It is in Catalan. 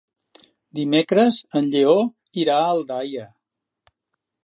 Dimecres en Lleó irà a Aldaia.